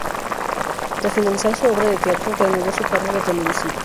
Tras finalizar su obra de teatro, reanudó su carrera televisiva.